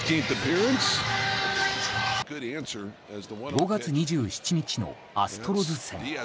５月２７日のアストロズ戦。